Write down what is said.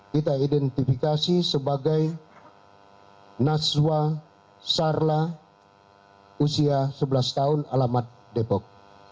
kita identifikasi sebagai naswa sarla usia sebelas tahun alamat depok